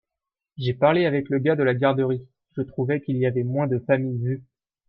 j'ai parlé avec le gars de la garderie (je trouvais qu'il y avait moins de familles vues).